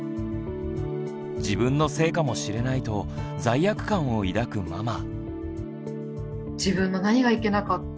自分のせいかもしれないと罪悪感を抱くママ。